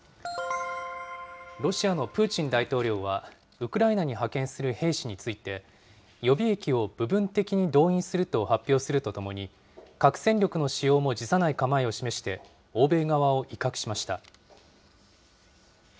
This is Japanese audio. ロシアのプーチン大統領は、ウクライナに派遣する兵士について、予備役を部分的に動員すると発表するとともに、核戦力の使用も辞さない構えを示して、欧米側を威嚇しました。